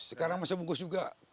sekarang masih bungkus juga